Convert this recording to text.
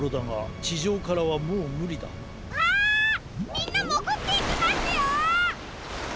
みんなもぐっていきますよ！